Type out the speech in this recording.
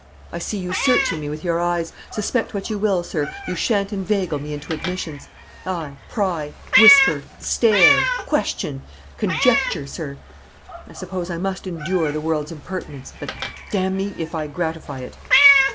"I see you searching me with your eyes. Suspect what you will, sir, you shan't inveigle me into admissions. Aye, pry whisper stare question, conjecture, sir I suppose I must endure the world's impertinence, but d n me if I gratify it."